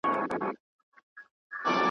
چي خواست کوې، د آس ئې کوه.